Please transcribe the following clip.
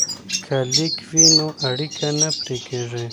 که لیک وي نو اړیکه نه پرې کیږي.